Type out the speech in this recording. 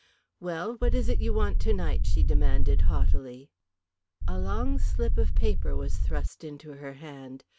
"Well, what is it you want tonight?" she demanded, haughtily. A long slip of paper was thrust into her hand.